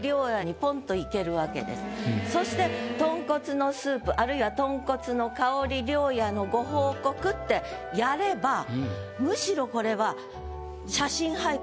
そして「豚骨のスープ」あるいは「豚骨の香り良夜のご報告」ってやればむしろこれは。